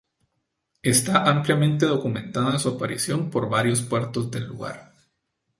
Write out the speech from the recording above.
Esta ampliamente documentada su aparición por varios puertos del lugar.